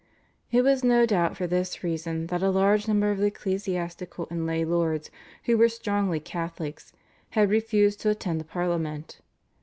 It was no doubt for this reason that a large number of the ecclesiastical and lay lords who were strongly Catholic had refused to attend the Parliament.